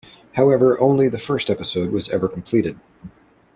However, only the first episode was ever completed.